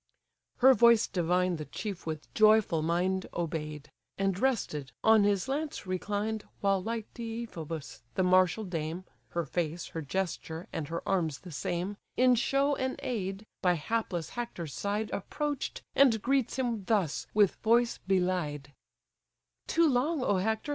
Her voice divine the chief with joyful mind Obey'd; and rested, on his lance reclined While like Deiphobus the martial dame (Her face, her gesture, and her arms the same), In show an aid, by hapless Hector's side Approach'd, and greets him thus with voice belied: "Too long, O Hector!